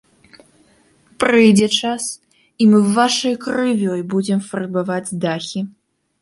Прыйдзе час, і мы вашай крывёй будзем фарбаваць дахі.